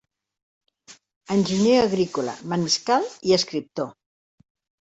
Enginyer agrícola, manescal i escriptor.